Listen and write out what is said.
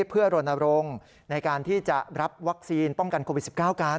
เพื่อรณรงค์ในการที่จะรับวัคซีนป้องกันโควิด๑๙กัน